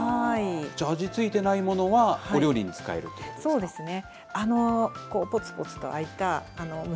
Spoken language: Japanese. じゃあ、味付いてないものはお料理に使えるってことですか。